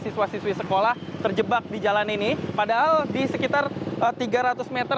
siswa siswi sekolah terjebak di jalan ini padahal di sekitar tiga ratus meter